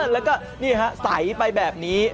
แล้วก็นี่ฮะใสไปแบบนี้